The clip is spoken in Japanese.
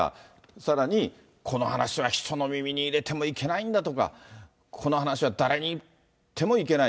さらにこの話は秘書の耳にいれてもいけないんだとか、この話は誰に言ってもいけない。